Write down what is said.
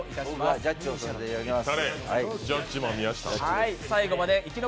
僕がジャッジをさせていただきます。